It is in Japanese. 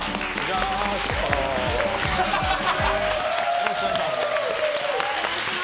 よろしくお願いします。